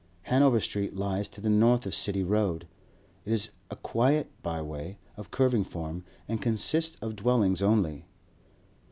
Hanover Street lies to the north of City Road; it is a quiet byway, of curving form, and consists of dwellings only.